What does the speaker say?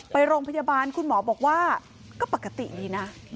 ไปโรงพยาบาลคุณหมอบอกว่าก็ปกติดีนะ